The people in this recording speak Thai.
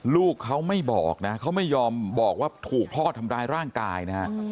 ลูกเขาไม่บอกนะเขาไม่ยอมบอกว่าถูกพ่อทำร้ายร่างกายนะฮะ